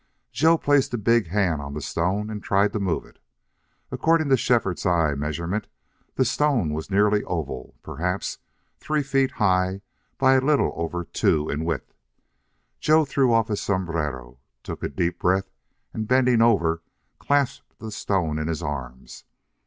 Joe placed a big hand on the stone and tried to move it. According to Shefford's eye measurement the stone was nearly oval, perhaps three feet high, by a little over two in width. Joe threw off his sombrero, took a deep breath, and, bending over, clasped the stone in his arms.